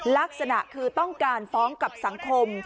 ลักษณะคือต้องการฟ้องกับสังคม